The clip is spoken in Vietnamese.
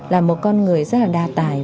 là một con người rất là đa tài